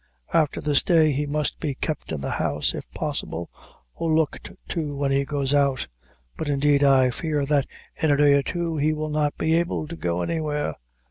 After this day he must be kept in the house, if possible, or looked to when he goes out; but indeed I fear that in a day or two he will not be able to go anywhere.